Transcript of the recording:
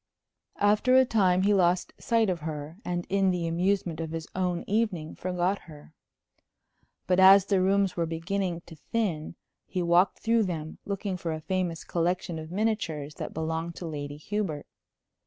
After a time he lost sight of her, and in the amusement of his own evening forgot her. But as the rooms were beginning to thin he walked through them, looking for a famous collection of miniatures that belonged to Lady Hubert.